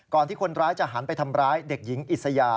ที่คนร้ายจะหันไปทำร้ายเด็กหญิงอิสยา